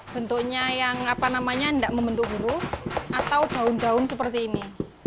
bentuknya yang apa namanya enggak membentuk huruf atau daun daun seperti ini